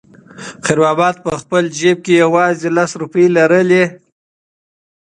خیر محمد په خپل جېب کې یوازې لس روپۍ لرلې.